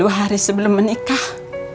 dua hari sebelum menikah